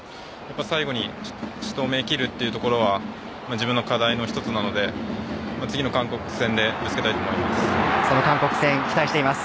最後に仕留め切るというところは自分の課題の一つなので次の韓国戦でその韓国戦期待しています。